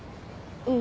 うん。